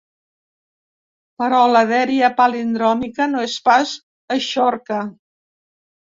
Però la dèria palindròmica no és pas eixorca.